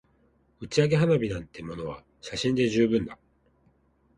打ち上げ花火なんてものは写真で十分だ